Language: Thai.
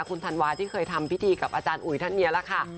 คุณธันวาที่เคยทำพิธีกับอาจารย์อุ๋ยท่านนี้แหละค่ะ